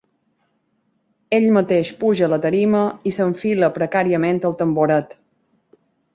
Ell mateix puja a la tarima i s'enfila precàriament al tamboret.